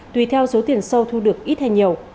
tùy theo số tiền sâu thu được ít hay nhiều